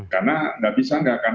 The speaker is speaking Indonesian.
karena tidak bisa enggak